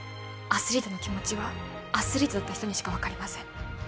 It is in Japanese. アスリートの気持ちはアスリートだった人にしか分かりません